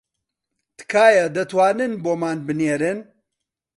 تکایە دەتوانن بۆمان بنێرن